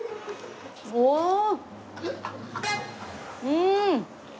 うん！